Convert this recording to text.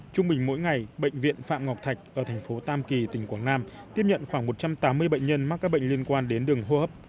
trung bình mỗi ngày bệnh viện phạm ngọc thạch ở thành phố tam kỳ tỉnh quảng nam tiếp nhận khoảng một trăm tám mươi bệnh nhân mắc các bệnh liên quan đến đường hô hấp